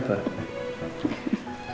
gak ada yang berlebihan